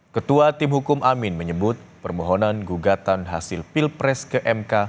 ketua tim hukum amin menyebut permohonan gugatan hasil pilpres ke mk